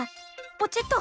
ポチッと。